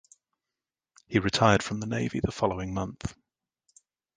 He retired from the navy the following month.